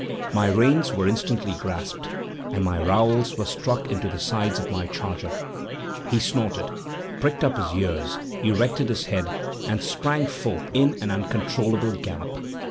My reins were instantly grasped, and my rowels were struck into the sides of my charger. He snorted, pricked up his ears, erected his head, and sprang forth in an uncontrollable gallop.